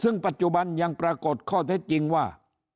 ซึ่งปัจจุบันยังปรากฏข้อเท็จจริงว่า